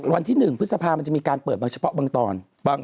วันที่๑พฤษภามันจะมีการเปิดบางเฉพาะบางตอน